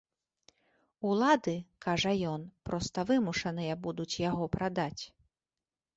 Улады, кажа ён, проста вымушаныя будуць яго прадаць.